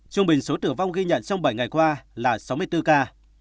trung bình số tử vong ghi nhận trong bảy ngày qua là sáu mươi bốn ca